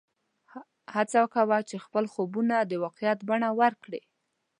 هڅه کوه چې خپل خوبونه د واقعیت بڼه ورکړې